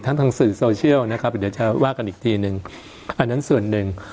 ทางสื่อโซเชียลนะครับเดี๋ยวจะว่ากันอีกทีหนึ่งอันนั้นส่วนหนึ่ง